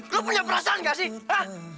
lo punya perasaan gak sih